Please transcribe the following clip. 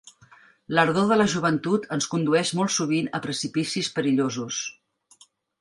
L'ardor de la joventut ens condueix molt sovint a precipicis perillosos.